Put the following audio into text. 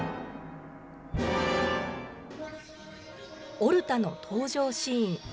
オルタの登場シーン。